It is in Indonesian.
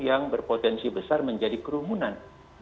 yang berpotensi besar menjadi kerumunan